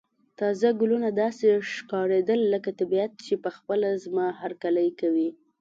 تازه ګلونه داسې ښکاریدل لکه طبیعت چې په خپله زما هرکلی کوي.